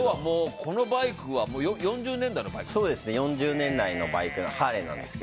このバイクは４０年代のバイクですか。